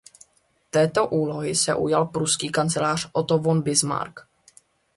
Této úlohy se ujal pruský kancléř Otto von Bismarck.